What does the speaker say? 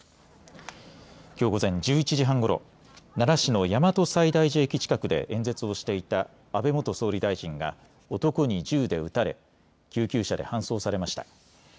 きょう午前１１時半ごろ奈良市の大和西大寺駅近くで演説をしていた安倍元総理大臣が男に銃で撃たれ救急車で搬送されました。